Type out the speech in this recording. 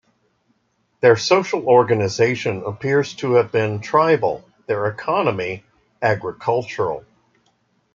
Their social organization appears to have been tribal, their economy, agricultural.